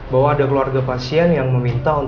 bahwa ada keluarga pasien yang meminta